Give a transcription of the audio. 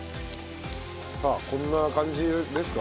さあこんな感じですか？